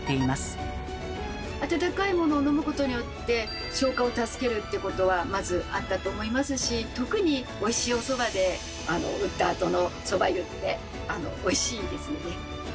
温かいものを飲むことによって消化を助けるっていうことはまずあったと思いますし特においしいおそばで打ったあとのそば湯っておいしいですよね。